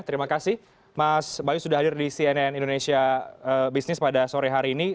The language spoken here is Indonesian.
terima kasih mas bayu sudah hadir di cnn indonesia business pada sore hari ini